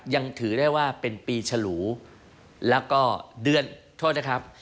ยังถือได้ว่าเป็นปีฉลูแล้วก็เดือนโทษนะครับ